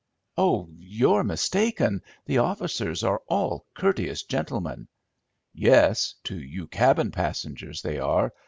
"Oh, you're mistaken. The officers are all courteous gentlemen." "Yes, to you cabin passengers they are.